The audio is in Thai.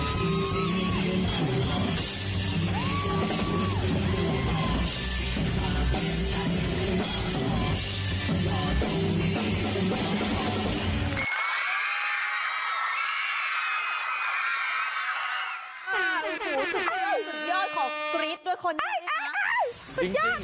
สุดยอด